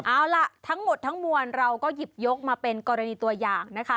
เอาล่ะทั้งหมดทั้งมวลเราก็หยิบยกมาเป็นกรณีตัวอย่างนะคะ